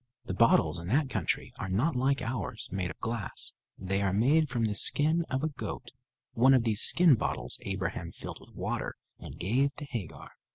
The bottles in that country are not like ours, made of glass. They are made from the skin of a goat. One of these skin bottles Abraham filled with water and gave to Hagar.